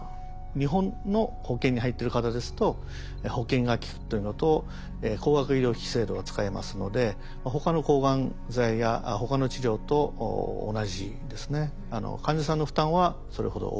日本の保険に入ってる方ですと保険がきくというのと高額医療費制度が使えますので他の抗がん剤や他の治療と同じですね。